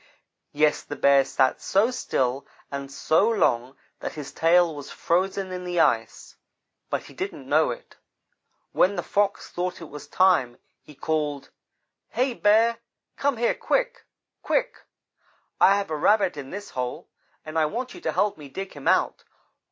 Yes, the Bear sat so still and so long that his tail was frozen in the ice, but he didn't know it. When the Fox thought it was time, he called: "'Hey, Bear, come here quick quick! I have a Rabbit in this hole, and I want you to help me dig him out.'